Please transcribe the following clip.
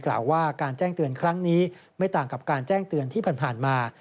กล่าวว่าการแจ้งเตือนครั้งนี้ไม่ต่างกับการแจ้งเตือนที่ผ่านมา